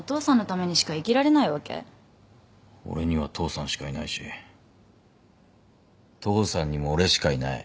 俺には父さんしかいないし父さんにも俺しかいない。